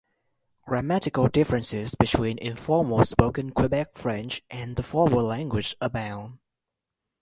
Grammatical differences between informal spoken Quebec French and the formal language abound.